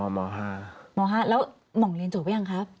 แล้วหมองเรียนโจทย์หรือยังครับ